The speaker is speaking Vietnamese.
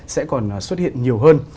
sẽ còn xuất hiện nhiều hơn